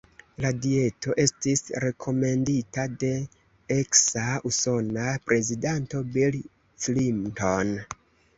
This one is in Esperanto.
La dieto estis rekomendita de eksa usona prezidanto Bill Clinton.